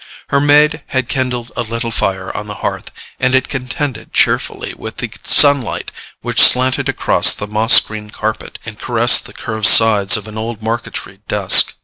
Her maid had kindled a little fire on the hearth, and it contended cheerfully with the sunlight which slanted across the moss green carpet and caressed the curved sides of an old marquetry desk.